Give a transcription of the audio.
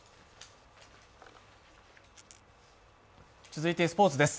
続いてスポーツです。